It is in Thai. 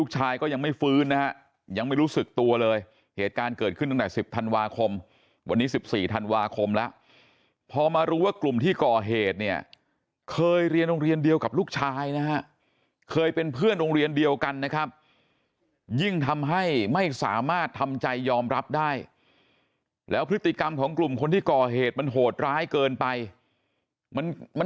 ก็ยังไม่ฟื้นนะฮะยังไม่รู้สึกตัวเลยเหตุการณ์เกิดขึ้นตั้งแต่๑๐ธันวาคมวันนี้๑๔ธันวาคมแล้วพอมารู้ว่ากลุ่มที่ก่อเหตุเนี่ยเคยเรียนโรงเรียนเดียวกับลูกชายนะฮะเคยเป็นเพื่อนโรงเรียนเดียวกันนะครับยิ่งทำให้ไม่สามารถทำใจยอมรับได้แล้วพฤติกรรมของกลุ่มคนที่ก่อเหตุมันโหดร้ายเกินไปมันมัน